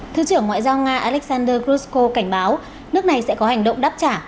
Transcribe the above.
thứ trưởng ngoại giao nga alexander grushko cảnh báo nước này sẽ có hành động đáp trả